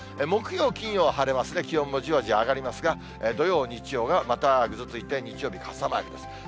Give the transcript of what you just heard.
木曜、金曜、晴れますね、気温もじわじわ上がりますが、土曜、日曜がまたぐずついて、日曜日、傘マークです。